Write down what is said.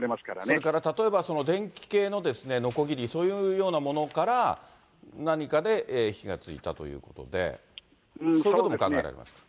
それから例えば、電気系ののこぎり、そういうようなものから、何かで火がついたということで、そういうことも考えられます？